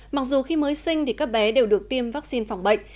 mặc dù khi mới sinh thì các bé đều được tiêm vaccine phòng bệnh